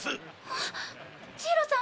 あっジイロさん